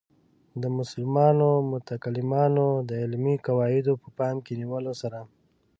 د مسلمانو متکلمانو د علمي قواعدو په پام کې نیولو سره.